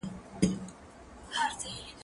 زه اوږده وخت بوټونه پاکوم!؟